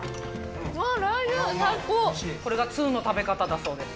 これが通の食べ方だそうです。